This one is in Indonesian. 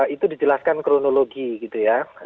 itu dijelaskan kronologi gitu ya